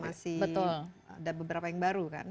karena ini kan masih ada beberapa yang baru kan